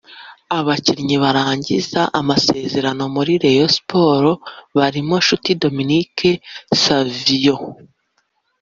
Abakinnyi barangiza amasezerano muri Rayon Sports barimo Nshuti Dominique Savio